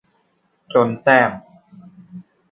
จนแต้ม